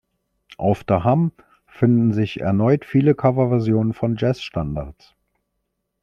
Auf „Da Humm“ finden sich erneut viele Coverversionen von Jazzstandards.